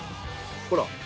ほら。